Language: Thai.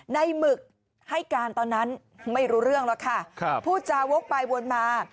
ในมึกให้การตอนนั้นไม่รู้เรื่องเหรอค่ะค่ะผู้จาวกไปวนมา